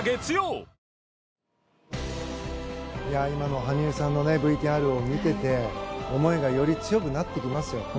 今の羽生さんのＶＴＲを見てて思いがより強くなってきますよ。